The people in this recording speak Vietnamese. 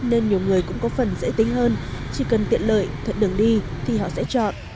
nên nhiều người cũng có phần dễ tính hơn chỉ cần tiện lợi thuận đường đi thì họ sẽ chọn